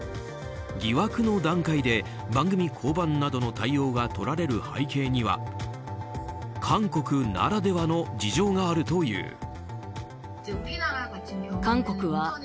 疑惑の段階で番組降板などの対応がとられる背景には韓国ならではの事情があるという。